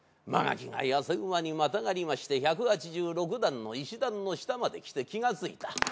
曲垣が痩せ馬にまたがりまして１８６段の石段の下まで来て気が付いた。